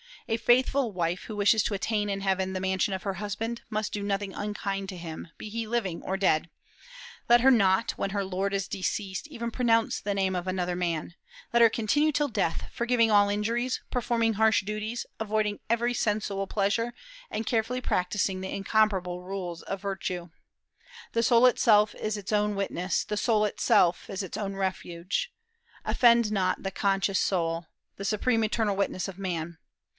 A faithful wife who wishes to attain in heaven the mansion of her husband, must do nothing unkind to him, be he living or dead; let her not, when her lord is deceased, even pronounce the name of another man; let her continue till death, forgiving all injuries, performing harsh duties, avoiding every sensual pleasure, and cheerfully practising the incomparable rules of virtue.... The soul itself is its own witness, the soul itself is its own refuge; offend not thy conscious soul, the supreme internal witness of man